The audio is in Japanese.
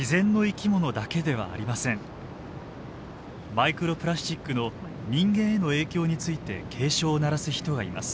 マイクロプラスチックの人間への影響について警鐘を鳴らす人がいます。